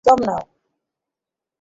ব্যস দম নাও।